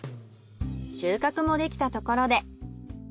収穫もできたところで。